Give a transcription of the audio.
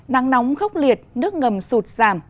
nắng nóng khốc liệt nước ngầm sụt giảm